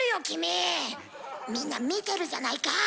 君みんな見てるじゃないか。